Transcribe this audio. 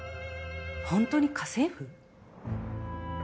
本当に家政婦？